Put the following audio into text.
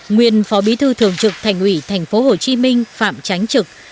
nguyên phó bí thư thường trực thành ủy thành phố hồ chí minh phạm tránh trực